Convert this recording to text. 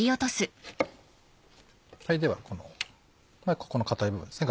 ではここの硬い部分ですね